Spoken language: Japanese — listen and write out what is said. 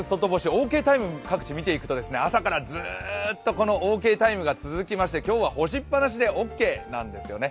オーケータイム各地見ていくと朝からずっと、このオーケータイムが続きまして、今日は干しっぱなしでオッケーなんですよね。